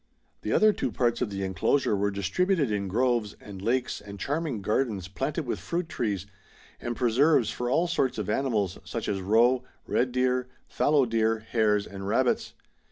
The other two parrs of the enclosure were distributed in groves, and lakes, and charming gardens planted with fruit trees, and preserves for all sorts of animals, such as roe, red deer, fallow deer, hares, and rabbits.